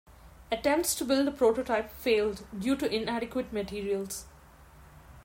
Attempts to build a prototype failed due to inadequate materials.